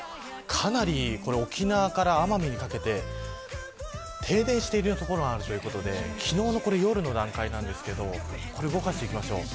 かなり沖縄から奄美にかけて停電している所もあるということで昨日の夜の段階ですが動かしていきます。